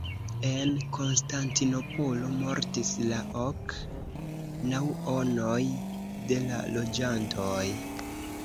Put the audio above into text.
En Konstantinopolo mortis la ok naŭonoj de la loĝantoj.